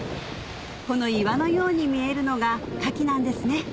この岩のように見えるのがカキなんですね